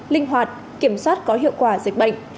linh hoạt kiểm soát có hiệu quả dịch bệnh